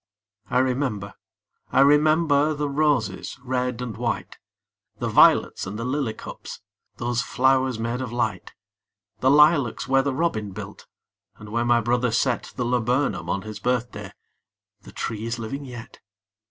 I remember, I remember, The roses, red and white, The violets, and the lily cups, Those flowers made of light! The lilacs where the robin built, And where my brother set The laburnum on his birthday, The tree is living yet!